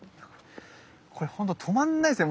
これほんと止まんないっすね。